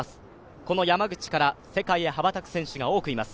この山口から世界へ羽ばたく選手が多くいます。